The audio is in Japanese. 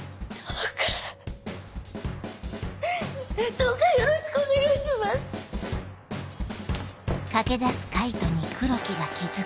どうかよろしくお願いします！